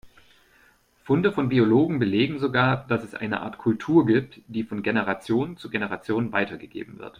Funde von Biologen belegen sogar, dass es eine Art Kultur gibt, die von Generation zu Generation weitergegeben wird.